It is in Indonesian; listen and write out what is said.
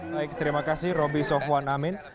baik terima kasih roby sofwan amin